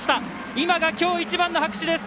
今が今日一番の拍手です！